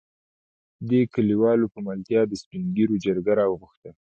دې کليوالو په ملتيا د سپين ږېرو جرګه راوغښته.